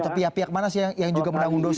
atau pihak pihak mana sih yang juga menanggung dosis